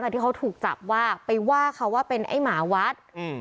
ที่เขาถูกจับว่าไปว่าเขาว่าเป็นไอ้หมาวัด